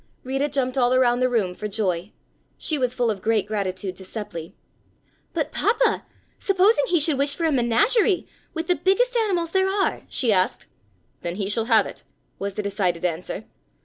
Rita jumped all around the room for joy. She was full of great gratitude to Seppli. "But, Papa, supposing he should wish for a menagerie, with the biggest animals there are?" she asked. "Then he shall have it," was the decided answer.